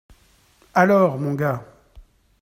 Alors ! Mon gars !